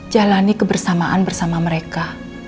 jalani kebersamaan bersama mereka